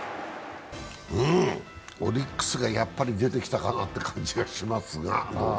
うん、オリックスがやっぱり出てきたかなって感じがしますが。